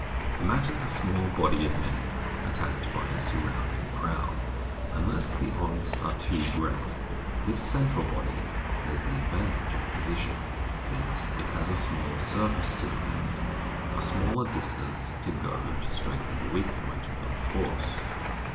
Imagine a small body of men attacked by a sur THE BOOK OF FAMOUS SIEGES rounding crowd. Unless the odds are too great, this central body has the advantage of position, since it has a smaller surface to defend, a smaller distance to go to strengthen a weak point of the force.